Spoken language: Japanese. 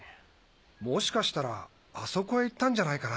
もしかしたらあそこへ行ったんじゃないかな？